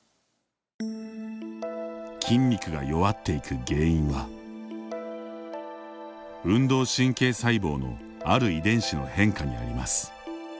筋肉が弱っていく原因は運動神経細胞のある遺伝子の変化にあります。